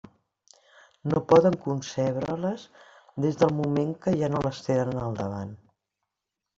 No poden concebre-les des del moment que ja no les tenen al davant.